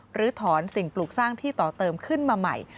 หรือถอนสิ่งปลูกสร้างที่ต่อเติมขึ้นมาใหม่